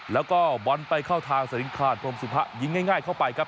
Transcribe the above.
แล้วก็บอลไปเข้าทางสลิงคารพรมสุภะยิงง่ายเข้าไปครับ